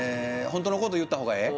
ホントのこと言うた方がええ？